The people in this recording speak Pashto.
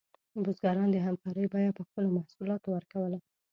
بزګران د همکارۍ بیه په خپلو محصولاتو ورکوله.